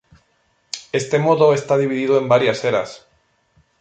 Este modo está dividido en varias eras.